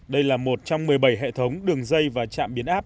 đây là một trong một mươi bảy hệ thống đường dây và trạm biến áp